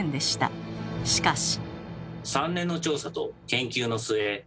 しかし。